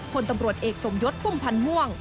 คนตำรวจเอกสมยศพุ่มพันธ์ม่วง